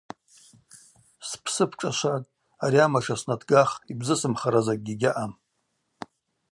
Спсы бшӏашватӏ, ари амаша снатгах, йбзысымхара закӏгьи гьаъам.